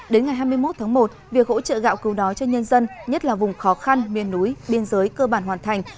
đến ngày hai mươi một tháng một việc hỗ trợ gạo cứu đói cho nhân dân nhất là vùng khó khăn miền núi biên giới cơ bản hoàn thành